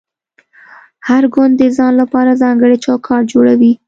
هر ګوند د ځان لپاره ځانګړی چوکاټ جوړوي